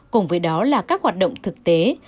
cùng với đó là các hoạt động thực tế